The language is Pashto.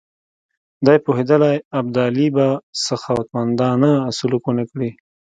دی پوهېدی ابدالي به سخاوتمندانه سلوک ونه کړي.